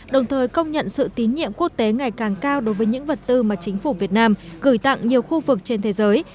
đồng thời công nhận sự tín nhiệm quốc tế ngày càng cao đối với những vật tư mà chính phủ việt nam gửi tặng nhiều khu vực trên thế giới